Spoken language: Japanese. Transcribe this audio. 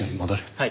はい。